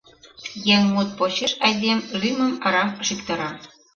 Еҥ мут почеш айдем лӱмым арам шӱктара.